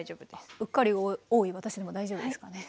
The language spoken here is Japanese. うっかり多い私でも大丈夫ですかね？